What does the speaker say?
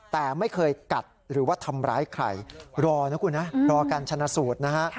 แต่ไม่เคยกัดหรือว่าทำร้ายใครรอนะคุณนะรอการชนะสูตรนะฮะ